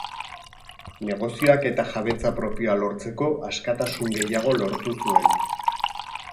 Negozioak eta jabetza propioa lortzeko askatasun gehiago lortu zuen.